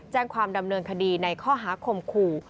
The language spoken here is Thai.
แจ้งความดำเนินคดีในข้อหาคมขู่